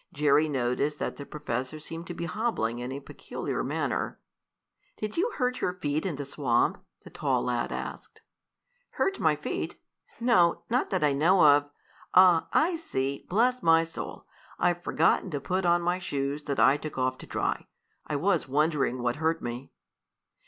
Jerry noticed that the professor seemed to be hobbling in a peculiar manner. "Did you hurt your feet in the swamp?" the tall lad asked. "Hurt my feet? No, not that I know of. Ah I see! Bless my soul! I've forgotten to put on my shoes that I took off to dry. I was wondering what hurt me."